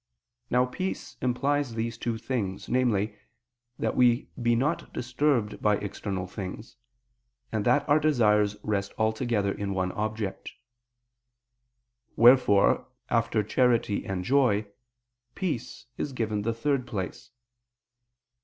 Now peace implies these two things, namely, that we be not disturbed by external things, and that our desires rest altogether in one object. Wherefore after charity and joy, "peace" is given the third place.